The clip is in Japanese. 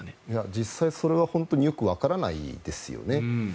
実際それは本当によくわからないですよね。